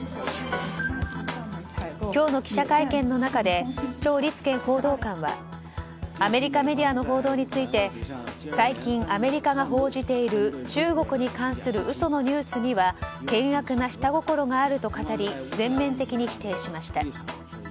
今日の記者会見の中でチョウ・リツケン報道官はアメリカメディアの報道について最近アメリカが報じている中国に関する嘘のニュースについては険悪な下心があると語り全面的に否定しました。